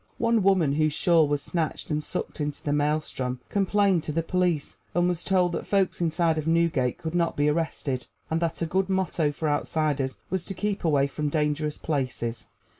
One woman whose shawl was snatched and sucked into the maelstrom complained to the police, and was told that folks inside of Newgate could not be arrested, and that a good motto for outsiders was to keep away from dangerous places.